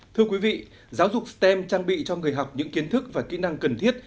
thưa quý vị giáo dục stem trang bị cho người học những kiến thức và kỹ năng cần thiết